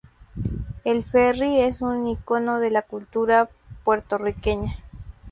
El ferry es un icono en la cultura puertorriqueña.